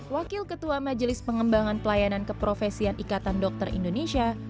wakil ketua majelis pengembangan pelayanan keprofesian ikatan dokter indonesia